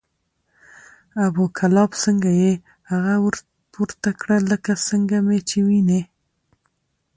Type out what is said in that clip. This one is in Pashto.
ابو کلاب څنګه یې؟ هغه ورته کړه لکه څنګه مې چې وینې،